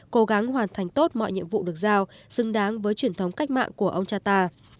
cố gắng hoàn thành tốt mọi nhiệm vụ được giao xứng đáng với truyền thống cách mạng của ông cha ta